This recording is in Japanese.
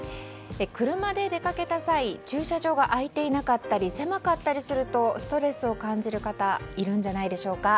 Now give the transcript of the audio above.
車で出かけた際、駐車場が空いていなかったり狭かったりするとストレスを感じる方いるんじゃないでしょうか。